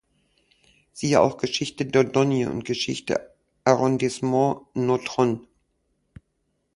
Siehe auch Geschichte Dordogne und Geschichte Arrondissement Nontron.